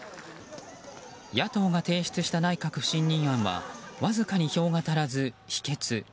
野党が提出した内閣不信任案はわずかに票が足らず否決。